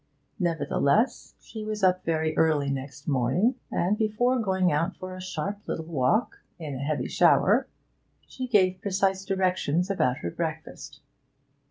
Nevertheless, she was up very early next morning, and, before going out for a sharp little walk (in a heavy shower), she gave precise directions about her breakfast.